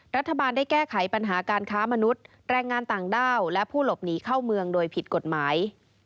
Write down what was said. รัฐบาลได้แก้ไขปัญหาการค้ามนุษย์แรงงานต่างด้าวและผู้หลบหนีเข้าเมืองโดยผิดกฎหมาย